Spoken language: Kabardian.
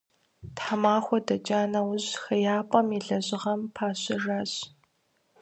Тхьэмахуэ дэкӏа нэужь хеяпӀэм и лэжьыгъэм пащэжащ.